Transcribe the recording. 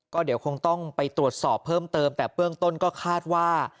ก็เดี๋ยวคงต้องไปตรวจสอบเพิ่มเติมแต่เบื้องต้นก็คาดว่า